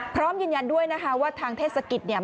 พร้อมยืนยันด้วยนะคะว่าทางเทศกิจเนี่ย